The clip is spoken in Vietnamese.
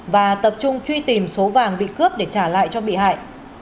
và tập trung truy tìm số vàng bị cướp để trả lại cho bị hại